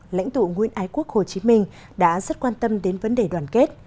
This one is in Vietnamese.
lãnh tụ nguyên ái quốc hồ chí minh đã rất quan tâm đến vấn đề đoàn kết